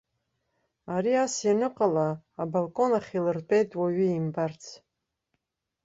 Ари ас ианыҟала, абалкон ахь илыртәеит уаҩы имбарц.